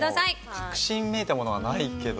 確信めいたものはないけど。